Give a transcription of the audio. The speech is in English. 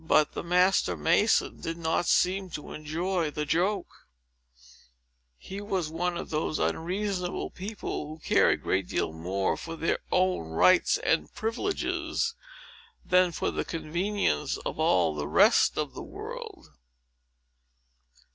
But the master mason did not seem to enjoy the joke. He was one of those unreasonable people, who care a great deal more for their own rights and privileges, than for the convenience of all the rest of the world.